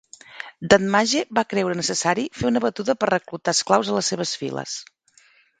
Danmaje va creure necessari fer una batuda per reclutar esclaus a les seves files.